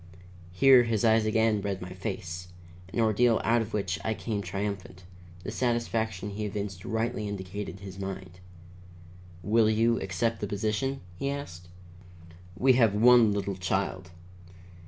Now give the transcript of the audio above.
Here his eyes again read my face, an ordeal out of which I came triumphant; the satisfaction he evinced rightly indicated his mind. "Will you accept the position?" he asked. "We have one little child.